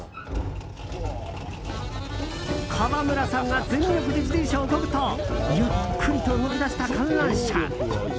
川村さんが全力で自転車をこぐとゆっくりと動き出した観覧車。